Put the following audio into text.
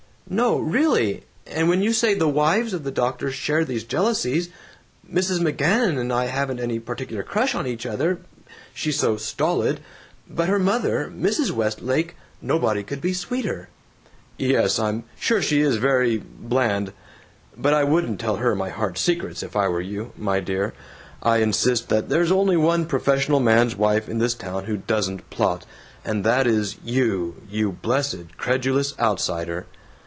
"No, REALLY! And when you say the wives of the doctors share these jealousies Mrs. McGanum and I haven't any particular crush on each other; she's so stolid. But her mother, Mrs. Westlake nobody could be sweeter." "Yes, I'm sure she's very bland. But I wouldn't tell her my heart's secrets if I were you, my dear. I insist that there's only one professional man's wife in this town who doesn't plot, and that is you, you blessed, credulous outsider!"